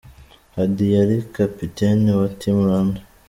Hadi yari Kapiteni wa Team Rwanda.